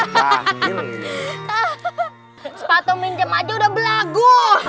sepatu minjem aja udah berlagu